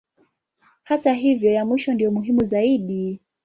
Hata hivyo ya mwisho ndiyo muhimu zaidi.